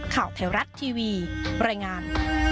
ข่าวแถวรัฐทีวีบรรยายงาน